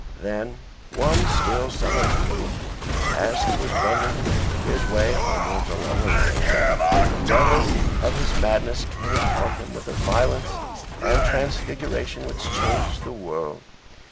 Then one still summer evening as he was wending his way homewards, along a lane, the devil of his madness came upon him with a violence and transfiguration which changes the world.